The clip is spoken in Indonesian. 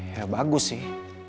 ya bagus sih